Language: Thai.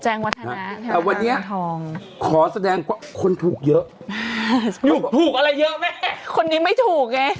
วัฒนะแต่วันนี้ทองขอแสดงว่าคนถูกเยอะถูกอะไรเยอะแม่คนนี้ไม่ถูกไง